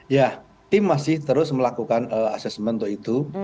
ya tim masih terus melakukan asesmen untuk itu